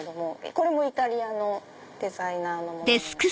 これもイタリアのデザイナーのものになるんです。